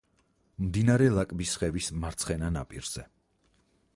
მდინარე ლაკბისხევის მარცხენა ნაპირზე.